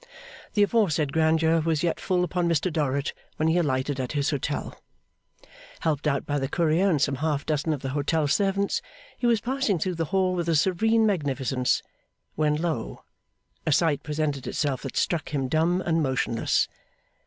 The aforesaid grandeur was yet full upon Mr Dorrit when he alighted at his hotel. Helped out by the Courier and some half dozen of the hotel servants, he was passing through the hall with a serene magnificence, when lo! a sight presented itself that struck him dumb and motionless.